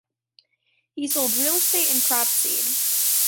He sold real estate and crop seed.